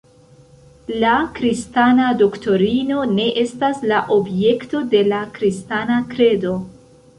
La kristana doktrino ne estas la objekto de la kristana kredo.